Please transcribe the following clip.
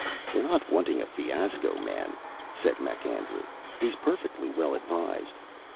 "We're not wanting a fiasco, man," said MacAndrew. "He's perfectly well advised."